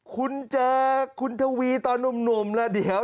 คุณเจอคุณทวีตอนหนุ่มแล้ว